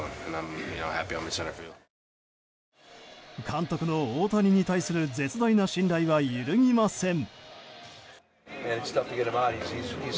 監督の大谷に対する絶大な信頼は揺るぎません。